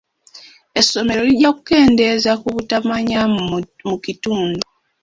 Essomero lijja kukendeeza ku butamanya mu kitundu.